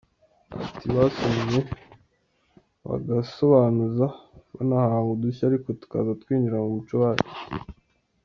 Ati “Basomye bagasobanuza banahanga udushya ariko tukaza twinjira mu muco wacu.